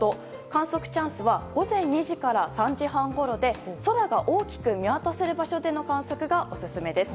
観測チャンスは午前２時から３時半ごろで空が大きく見渡せる場所での観測がオススメです。